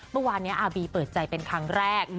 เมื่อวานนี้อาบีเปิดใจเป็นครั้งแรก